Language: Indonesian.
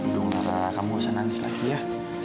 jangan kamu jangan nangis lagi ya